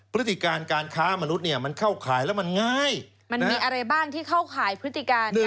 พฤติการการค้ามนุษย์เนี่ยมันเข้าข่ายแล้วมันง่ายมันมีอะไรบ้างที่เข้าข่ายพฤติการ